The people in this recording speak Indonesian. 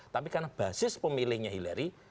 tapi karena basis pemilihnya hillary